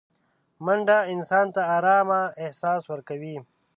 منډه انسان ته ارامه احساس ورکوي